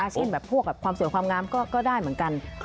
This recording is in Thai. เช่นแบบพวกความสวยความงามก็ได้เหมือนกัน